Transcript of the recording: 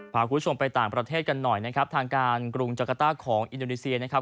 พาคุณผู้ชมไปต่างประเทศกันหน่อยนะครับทางการกรุงจักรต้าของอินโดนีเซียนะครับ